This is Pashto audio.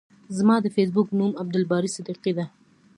زما د فیسبوک نوم عبدالباری صدیقی ده.